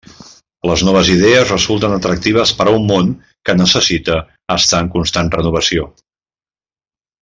Les noves idees resulten atractives per a un món que necessita estar en constant renovació.